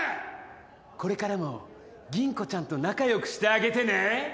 これからも吟子ちゃんと仲良くしてあげてね！